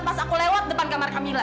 pas aku lewat depan kamar camilla